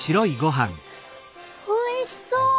おいしそう！